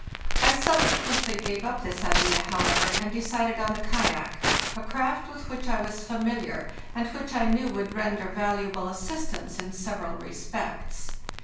I subsequently gave up this idea, however, and decided on the kayak, a craft with which I was fa miliar, and which I knew would render valuable assist ance in several respects.